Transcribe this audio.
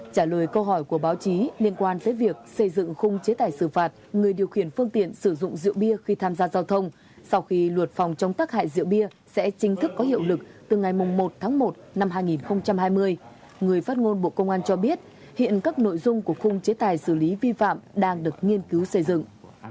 trả lời câu hỏi của báo chí liên quan tới việc xây dựng khung chế tài xử phạt người điều khiển phương tiện sử dụng rượu bia khi tham gia giao thông sau khi luật phòng chống tắc hại rượu bia sẽ chính thức có hiệu lực từ ngày một tháng một năm hai nghìn hai mươi người phát ngôn bộ công an cho biết hiện các nội dung của khung chế tài xử lý vi phạm đang được nghiên cứu xây dựng